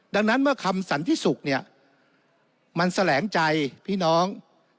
ดังนั้นเมื่อคำสันติศุกร์เนี่ยมันแสลงใจพี่น้อง